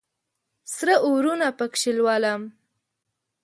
سره اورونه پکښې لولم